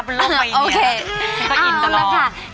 โรคไหมเนี่ย